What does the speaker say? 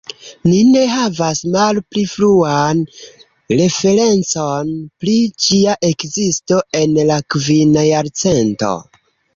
Ni ne havas malpli fruan referencon pri ĝia ekzisto en la kvina jarcento.